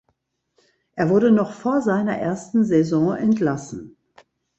Er wurde noch vor seiner ersten Saison entlassen.